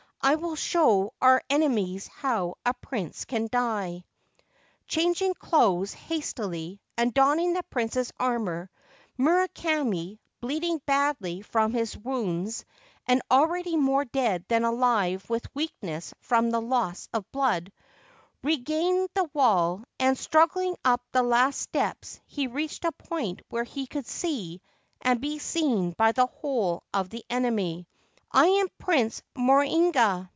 I will show our enemies how a prince can die.' Changing clothes hastily, and donning the prince's armour, Murakami, bleeding badly from his wounds, and already more dead than alive with weakness from the loss of blood, regained the wall, and struggling up the last steps he reached a point where he could see and be seen by the whole of the enemy. 4 I am Prince Morinaga